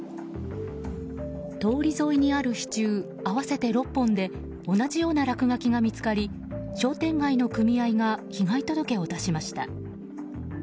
通り沿いにある支柱合わせて６本で同じような落書きが見つかり商店街の組合が被害届を出しました。